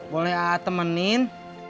boleh a'a temenin